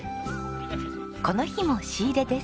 この日も仕入れです。